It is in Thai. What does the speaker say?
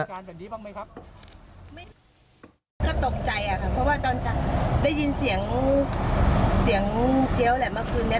ก็ตกใจค่ะเพราะว่าตอนนี้ได้ยินเสียงเกี้ยวแหละเมื่อคืนนี้